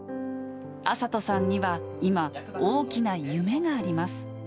暁里さんには、今、大きな夢があります。